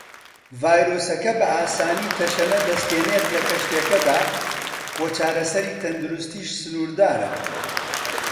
ڤایرۆسەکە بە ئاسانی تەشەنە دەستێنێت لە کەشتییەکەدا وە چارەسەری تەندروستیش سنوردارە.